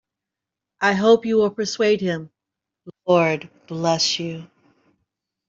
I hope you will persuade him, Lord bless you.